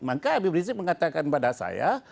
maka habib rizik mengatakan pada saya